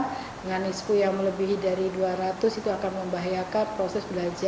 dengan ispu yang melebihi dari dua ratus itu akan membahayakan proses belanja